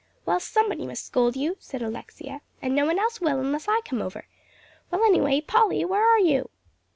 "Well, somebody must scold you," said Alexia, "and no one else will, unless I come over. Well, anyway, Polly, where are you?"